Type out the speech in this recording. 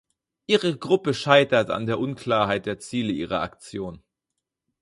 Ihre Gruppe scheitert an der Unklarheit der Ziele ihrer Aktion.